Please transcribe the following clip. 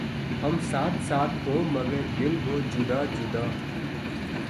ھم ساتھ ساتھ ہوں مگر دل ہوں جدا جدا